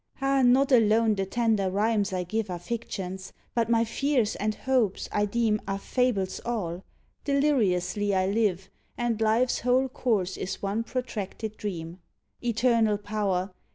Ah! not alone the tender RHYMES I give Are fictions: but my FEARS and HOPES I deem Are FABLES all; deliriously I live, And life's whole course is one protracted dream. Eternal Power!